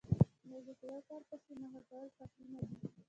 یوازې په یوه کار پسې مخه کول کافي نه دي.